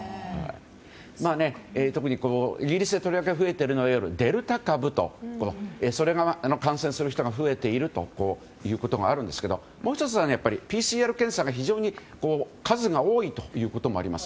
特にイギリスでとりわけ増えているのはデルタ株に感染する人が増えているということがあるんですがもう１つはＰＣＲ検査、非常に数が多いということもあります。